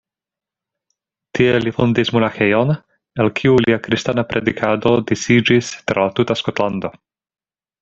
Tie li fondis monaĥejon, el kiu lia kristana predikado disiĝis tra la tuta Skotlando.